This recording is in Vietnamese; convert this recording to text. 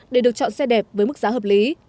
để được chọn xe đẹp với mức giá hợp lý